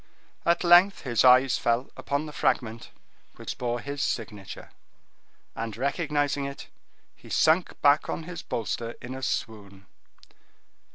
At length his eyes fell upon the fragment which bore his signature, and recognizing it, he sunk back on his bolster in a swoon.